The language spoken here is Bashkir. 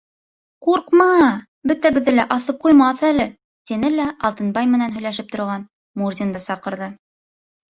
Ҡурҡма, бөтәбеҙҙе лә аҫып ҡуймаҫ әле, — тине лә Алтынбай менән һөйләшеп торған Мурзинды саҡырҙы.